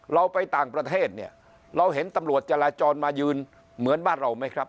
เราไปต่างประเทศเนี่ยเราเห็นตำรวจจราจรมายืนเหมือนบ้านเราไหมครับ